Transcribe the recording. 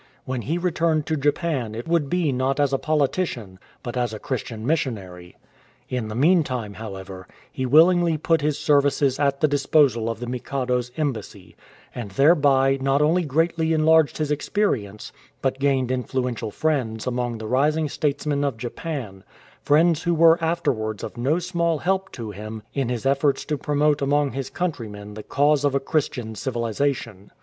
When he returned to Japan it would be not as a politician, but as a Christian missionary. In the meantime, however, he willingly put his services at the disposal of the Mikado's embassy, and thereby not only greatly enlarged his experience, but gained influential friends among the rising statesmen of Japan, friends who were afterwards of no small help to him in his efforts to promote among his countrymen the cause of a Christian civilization.